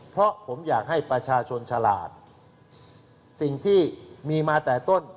เพราะผมอยากให้ประชาชนฉลาดสิ่งที่มีมาแต่ต้น